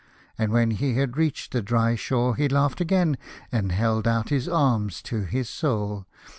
And when he had reached the dry shore he laughed again, and held out his arms to his Soul.